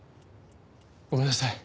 ごめんなさい。